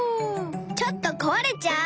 ちょっと壊れちゃう！